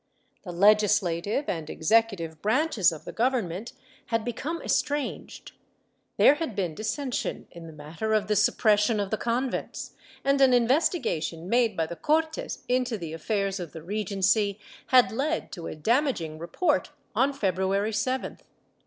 The legis lative and executive branches of the Government had become estranged. There had been dissension in the matter of the sup pression of the convents, and an investigation made by the Cortes into the affairs of the Regency had led to a damaging report on February 7th.